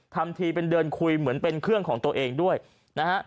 ทำทีเป็นเดินคุยเหมือนเป็นเครื่องของตัวเองด้วยนะฮะ